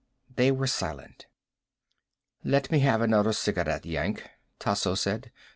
They were silent. "Let me have another cigarette, Yank," Tasso said.